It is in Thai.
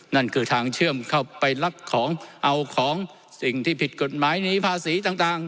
นั่นคือทางเชื่อมเข้าไปลักของเอาของสิ่งที่ผิดกฎหมายหนีภาษีต่าง